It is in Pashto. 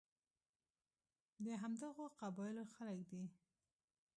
د همدغو قبایلو خلک دي.